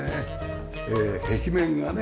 壁面がね